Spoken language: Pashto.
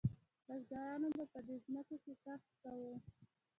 بزګرانو به په دې ځمکو کې کښت کاوه.